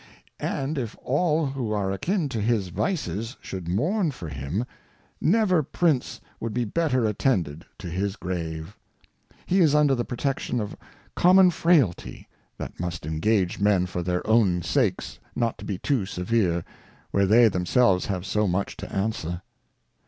And if all who are akin to his Vices, shoidd mourn for him, never Prince would be better attended to his Grave. He is under the Protection of common Frailty, King Charles II. 207 Frailty, that must engage Men for their own sakes not to be too severe, where they themselves have so much to answer.